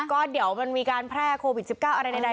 ก็เดี๋ยวมันมีการแพร่โควิด๑๙อะไรใด